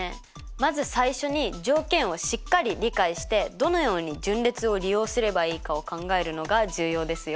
まず最初に条件をしっかり理解してどのように順列を利用すればいいかを考えるのが重要ですよ。